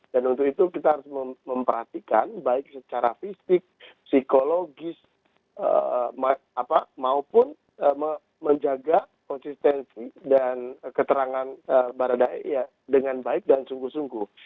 dan untuk itu kita harus memperhatikan baik secara fisik psikologis maupun menjaga konsistensi dan keterangan barada eliezer dengan baik dan sungguh sungguh